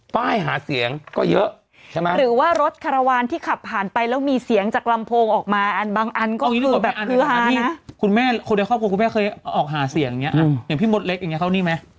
ป้ายหาเสียงก็เยอะ